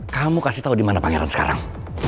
kamu kasih tau dimana pangeran sekarang